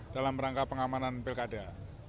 dalam rangka pengamanan pelkada